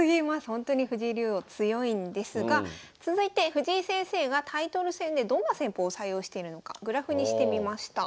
ほんとに藤井竜王強いんですが続いて藤井先生がタイトル戦でどんな戦法を採用しているのかグラフにしてみました。